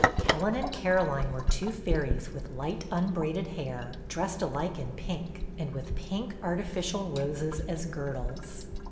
Helen and Caroline were two fairies with light unbraided hair, dressed alike in pink, and with pink artificial roses as girdles.